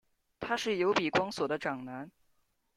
他是由比光索的长男。